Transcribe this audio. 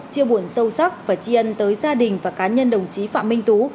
chia buồn sâu sắc và tri ân tới gia đình và cá nhân đồng chí phạm minh tố